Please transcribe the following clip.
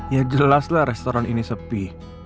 ya jelaslah restoran ini sepi